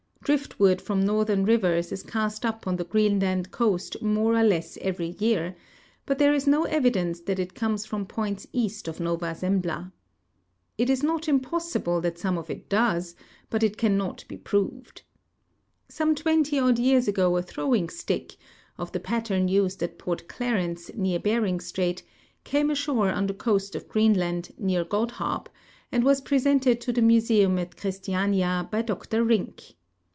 Driftwood from northern rivers is cast up on the Greenland coast more or less every year, hut there is no evidence that it comes from points east of Nova Zembla. It is not im})ossible that some of it does, but it cannot be proA^ed. Some tAA'enty odd years ago a throAving stick, of the pattern used at Port Clarence, near Bering strait, came ashore on the coast of Greenland, near Godhaab, and Avas presented to the museum at Christiania by Dr Rink.